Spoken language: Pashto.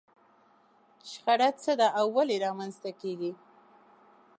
شخړه څه ده او ولې رامنځته کېږي؟